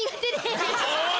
おい。